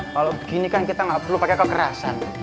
kalau begini kan kita nggak perlu pakai kekerasan